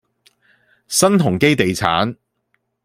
新鴻基地產